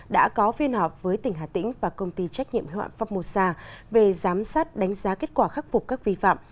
đã có phiên họp với tỉnh hà tĩnh và công ty trách nhiệm hợp pháp mô sa về giám sát đánh giá kết quả khắc phục các vi phạm